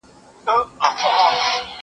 زه اوږده وخت نان خورم،